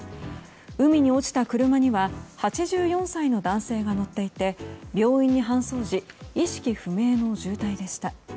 海に落ちた車には８４歳の男性が乗っていて病院に搬送時意識不明の重体でした。